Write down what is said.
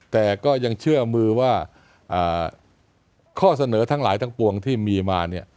แต่ก็ยังเชื่อมือว่าข้อเสนอทั้งหลายทั้งปวงที่มีมาเนี่ย